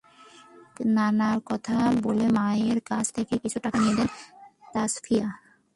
পরে নানা কথা বলে মায়ের কাছ থেকে কিছু টাকা নিয়ে দেন তাসফিয়া।